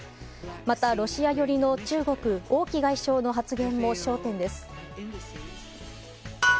また、ロシア寄りの中国王毅外相の発言も焦点です。